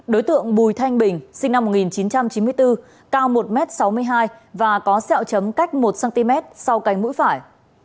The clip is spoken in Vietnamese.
đối tượng bùi thanh bình sinh năm một nghìn chín trăm chín mươi bốn cao một m sáu mươi hai và có sẹo chấm cách một cm sau cánh mũi phải